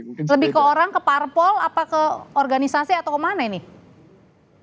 lebih ke orang ke parpol apa ke organisasi atau kemana nih